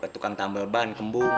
tukang tambel ban kembung